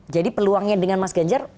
jadi peluangnya dengan mas ganjar